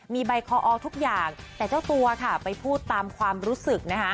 มีใบคออทุกอย่างแต่เจ้าตัวค่ะไปพูดตามความรู้สึกนะคะ